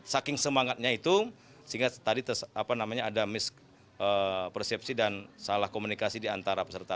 saking semangatnya itu sehingga tadi ada mispersepsi dan salah komunikasi diantara peserta